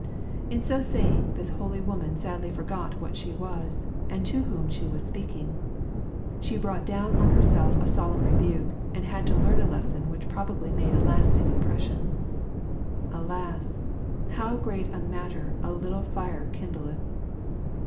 '' In so saying, this holy woman sadly forgot what she was, and 'to whom she was speaking. She brought down on herself a solemn rebuke, and had to learn a lesson which probably made a lasting impression. Alas I '^ how great a matter a little fire kindleth."